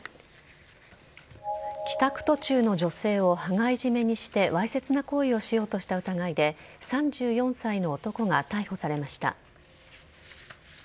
帰宅途中の女性を羽交い締めにしてわいせつな行為をしようとした疑いで３４歳の男が逮捕されました。